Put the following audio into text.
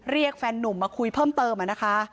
เรียกแฟนนุ่มมาคุยเพิ่มเติมนะคะ